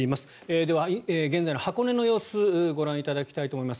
では、現在の箱根の様子ご覧いただきたいと思います。